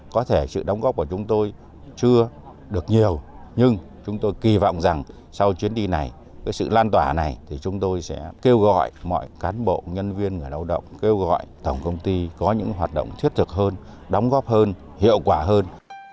có thể sự đóng góp của chúng tôi chưa được nhiều nhưng chúng tôi kỳ vọng rằng sau chuyến đi này sự lan tỏa này thì chúng tôi sẽ kêu gọi mọi cán bộ nhân viên người lao động kêu gọi tổng công ty có những hoạt động thiết thực hơn đóng góp hơn hiệu quả hơn